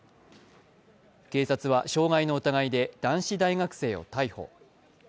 警察は傷害の疑いで男子大学生を逮捕。